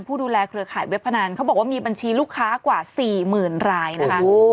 ดูแลเครือข่ายเว็บพนันเขาบอกว่ามีบัญชีลูกค้ากว่า๔๐๐๐รายนะคะ